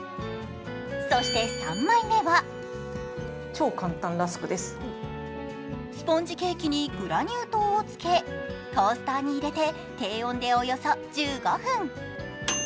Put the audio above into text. そして３枚目はスポンジケーキにグラニュー糖をつけトースターに入れて低温でおよそ１５分。